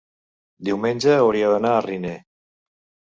diumenge hauria d'anar a Riner.